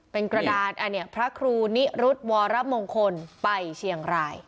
เป็นกระดานอันนี้พระครูนิรุธวรมงคลไปเชียงราย